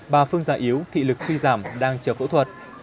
bà phương già yếu thị lực suy giảm đang chờ phẫu thuật